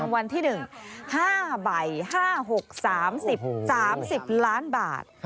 ๕บ่าย๕๖๓๐๓๐ล้านบาท